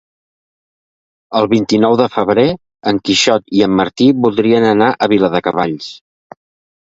El vint-i-nou de febrer en Quixot i en Martí voldrien anar a Viladecavalls.